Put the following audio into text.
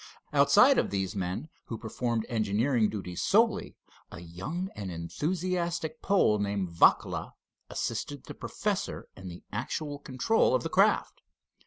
Outside of these men, who performed engineering duties solely, a young and enthusiastic Pole named Vacla assisted the professor in the actual control of the craft.